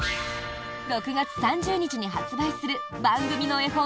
６月３０日に発売する番組の絵本